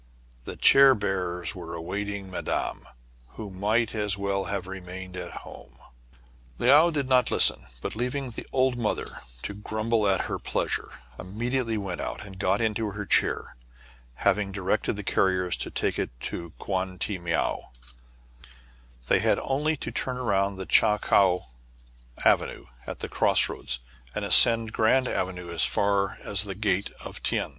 The chair bearers were awaiting madame, " who might as well have remained at home." Le ou did not listen, but, leaving the "old mother" to grumble at her pleasure, immediately went out, and got into her chair, after having directed the carriers to take her to Koan Ti Miao. The road was a straight one. They had only to turn around Cha Coua Avenue at the cross roads, and ascend Grand Avenue as far as the Gate of Tien.